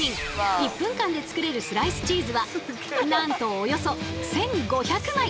１分間で作れるスライスチーズはなんとおよそ１，５００枚。